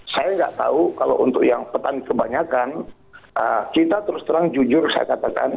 saya nggak tahu kalau untuk yang petani kebanyakan kita terus terang jujur saya katakan